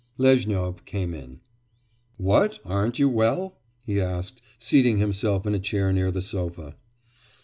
Lezhnyov came in. 'What, aren't you well?' he asked, seating himself in a chair near the sofa.